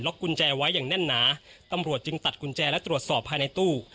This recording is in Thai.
กุญแจไว้อย่างแน่นหนาตำรวจจึงตัดกุญแจและตรวจสอบภายในตู้